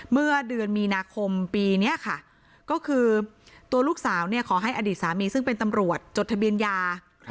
เมื่อเดือนมีนาคมปีนี้ค่ะก็คือตัวลูกสาวขอให้อดีตสามีซึ่งเป็นตำรวจจดทะเบียนยา